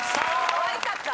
かわいかった。